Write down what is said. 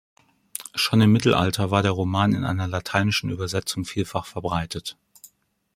Schon im Mittelalter war der Roman in einer lateinischen Übersetzung vielfach verbreitet.